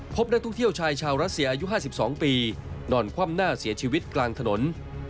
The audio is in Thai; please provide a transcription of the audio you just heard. พบนักท่องเที่ยวชายชาวรัสเซียอายุ๕๒ปีนอนคว่ำหน้าเสียชีวิตกลางถนน